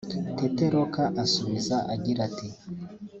Tete Roca asubiza agira ati